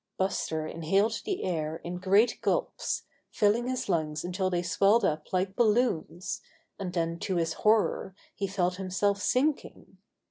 Buster inhaled the air in great gulps, filling his lungs until they swelled up like balloons, and then to his horror he felt himself sinking.